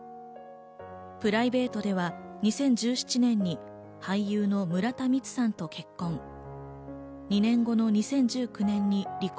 プライベートでは２０１７年に俳優の村田充さんと結婚。